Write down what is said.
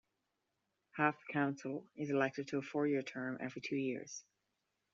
Half the council is elected to a four-year term every two years.